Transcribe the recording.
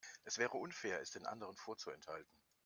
Es wäre unfair, es den anderen vorzuenthalten.